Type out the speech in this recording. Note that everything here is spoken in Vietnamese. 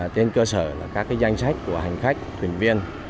trên cơ sở các danh sách của hành khách thuyền viên